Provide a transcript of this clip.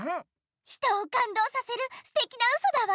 人をかんどうさせるすてきなウソだわ！